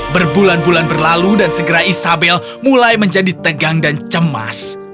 berbulan bulan berlalu dan segera isabel mulai menjadi tegang dan cemas